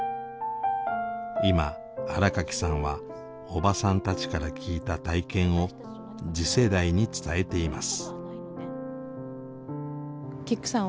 今新垣さんはおばさんたちから聞いた体験を次世代に伝えています。